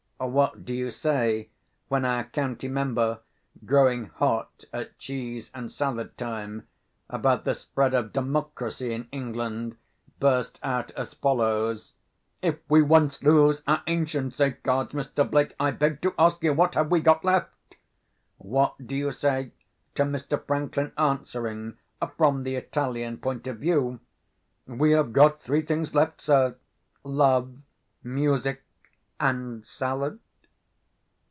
What do you say, when our county member, growing hot, at cheese and salad time, about the spread of democracy in England, burst out as follows: "If we once lose our ancient safeguards, Mr. Blake, I beg to ask you, what have we got left?"—what do you say to Mr. Franklin answering, from the Italian point of view: "We have got three things left, sir—Love, Music, and Salad"?